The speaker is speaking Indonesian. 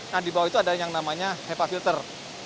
nah di bawah itu ada yang namanya hepa filter